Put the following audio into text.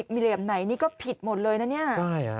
มีเหลี่ยมไหนนี่ก็ผิดหมดเลยนะเนี่ย